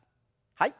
はい。